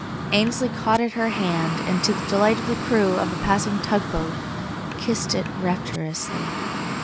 Ainsley caught at her hand and, to the delight of the crew of a passing tug boat, kissed it rapturously.